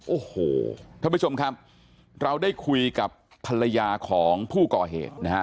โอ้โหท่านผู้ชมครับเราได้คุยกับภรรยาของผู้ก่อเหตุนะฮะ